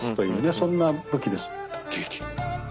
そんな武器です。